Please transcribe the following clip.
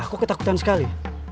kok ketakutan sekali